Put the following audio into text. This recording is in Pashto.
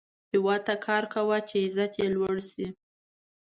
هیواد ته کار کوه، چې عزت یې لوړ شي